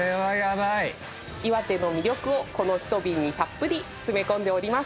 岩手の魅力をこの１瓶にたっぷり詰め込んでおります。